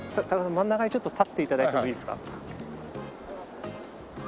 真ん中にちょっと立って頂いてもいいですか？